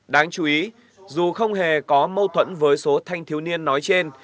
đáng chú ý dù không hề có mâu thuẫn với số thanh thiếu niên nói trên